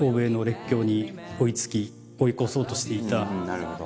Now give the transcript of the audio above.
なるほど。